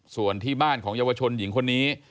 ส่วนที่บ้านของเยาวชนหญิงคนนี้